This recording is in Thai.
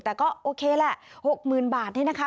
แต่ก็โอเคแหละหกหมื่นบาทนี่นะคะ